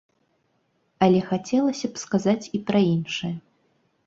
Але хацелася б сказаць і пра іншае.